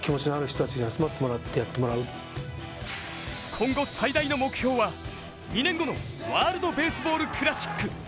今後、最大の目標は２年後のワールドベースボールクラシック。